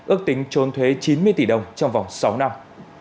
ước tính trốn thuế chín mươi tỷ đồng trong vòng sáu năm